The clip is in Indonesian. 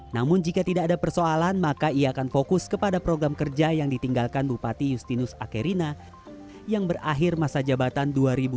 namun jika tidak ada persoalan maka ia akan fokus kepada program kerja yang ditinggalkan bupati justinus akerina yang berakhir masa jabatan dua ribu dua puluh